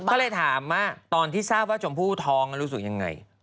เขาเลยถามตอนที่ทราบว่าจมมือฑูสาวทองลึมรู้สึกอย่างไร